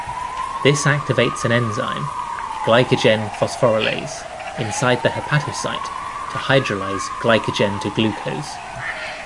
This activates an enzyme, glycogen phosphorylase, inside the hepatocyte to hydrolyse glycogen to glucose.